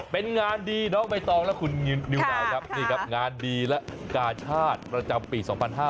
เป็นงานดีเนาะไม่ต้องแล้วคุณนิวนาวครับงานดีและกาชาติประจำปี๒๕๖๒